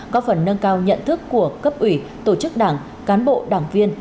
có phần nâng cao nhận thức của cấp ủy tổ chức đảng cán bộ đảng viên